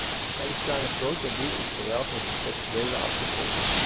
Er bestaat een groot taboe op geweld met een seksuele achtergrond.